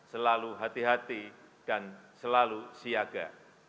selalu hati hati dan selalu siaga